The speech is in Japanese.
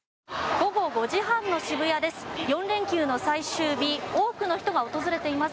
午後５時半の渋谷です。